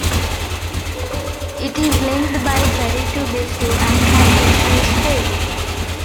It is linked by ferry to Bissau and has an airstrip.